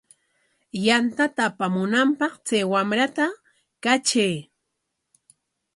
Yantata apamunanpaq chay wamrata katray.